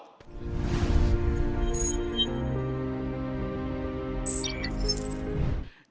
pasaran nilai tukar rupiah